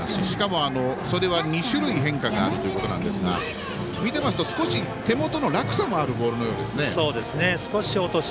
しかも、それは２種類変化があるということですが見ていますと少し手元の落差もあるボールのようですね。